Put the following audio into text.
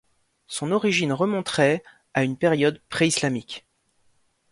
Son origine remonterait à une période pré-islamique.